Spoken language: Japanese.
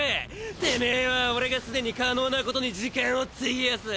てめは俺が既に可能なことに時間を費やす！